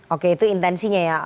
oke itu intensinya ya